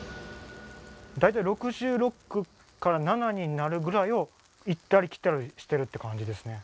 大体６６から６７になるぐらいを行ったり来たりしてるって感じですね。